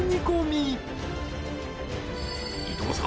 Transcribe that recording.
［伊藤さん。